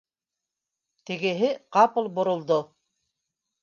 Тегеһе ҡапыл боролдо: